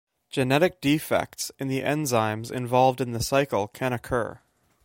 Genetic defects in the enzymes involved in the cycle can occur.